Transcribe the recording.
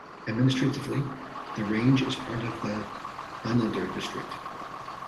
Administratively the range is part of the Anadyr District.